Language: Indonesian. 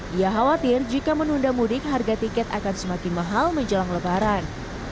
dia khawatir jika menunda mudik harga tiket akan semakin mahal menjelang lebaran